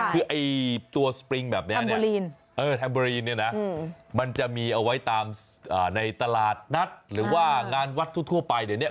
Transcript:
คือตัวสปริงแบบนี้แถมบอลีนมันจะมีเอาไว้ตามในตลาดนัดหรือว่างานวัดทั่วไป